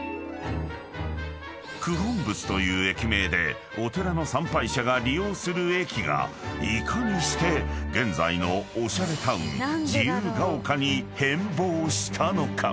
［九品仏という駅名でお寺の参拝者が利用する駅がいかにして現在のおしゃれタウン自由が丘に変貌したのか？］